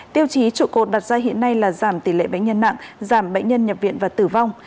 tiêu chí trụ cột đặt ra hiện nay là giảm tỷ lệ bệnh nhân nặng giảm bệnh nhân nhập viện và tử vong